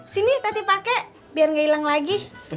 sini tadi pake biar gak hilang lagi